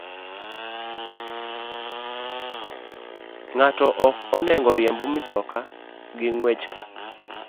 Ng'ato ok onego oriemb mtoka gi ng'wech ka